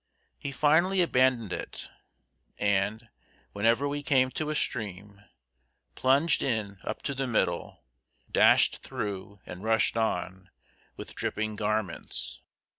He finally abandoned it, and, whenever we came to a stream, plunged in up to the middle, dashed through, and rushed on, with dripping garments.